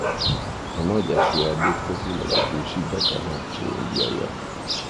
A nagy esőerdők közül a legősibbek a hátsó-indiaiak.